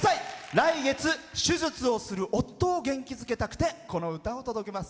来月、手術をする夫を元気づけたくてこの歌を届けます。